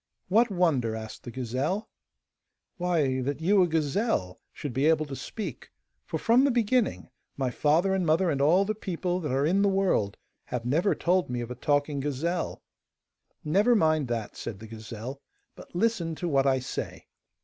'What wonder?' asked the gazelle. 'Why, that you, a gazelle, should be able to speak, for, from the beginning, my father and mother and all the people that are in the world have never told me of a talking gazelle.' 'Never mind that,' said the gazelle, 'but listen to what I say!